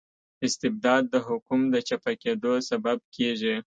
استبداد د حکوم د چپه کیدو سبب کيږي.